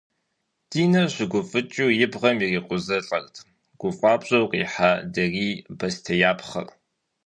Динэ щыгуфӏыкӏыу и бгъэм ирикъузылӏэрт гуфӏапщӏэу къихьа дарий бостеяпхъэр.